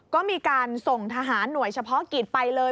ก็มีการส่งทหารหน่วยเฉพาะกิจไปเลย